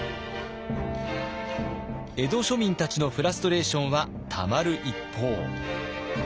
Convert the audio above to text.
江戸庶民たちのフラストレーションはたまる一方。